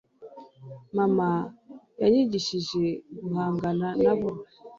mama yanyigishije guhangana nabo